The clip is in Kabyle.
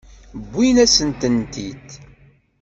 Wwin-asen-tent-id.